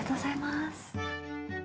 ありがとうございます。